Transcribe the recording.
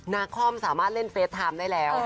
นาคอมสามารถเล่นเฟสไทม์ได้แล้ว